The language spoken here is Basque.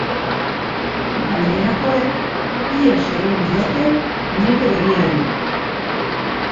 Gainerakoek, ihes egin diote nire begiari.